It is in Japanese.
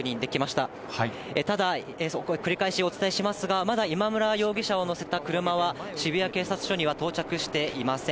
ただ、繰り返しお伝えしますが、まだ今村容疑者を乗せた車は、渋谷警察署には到着していません。